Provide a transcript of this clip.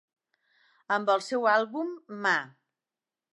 Amb el seu àlbum Ma!